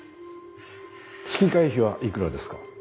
月会費はいくらですか？